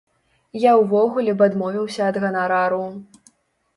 Я ўвогуле б адмовіўся ад ганарару.